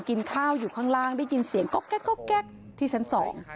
กินข้าวอยู่ข้างล่างได้ยินเสียงก๊อกแก๊กที่ชั้นสอง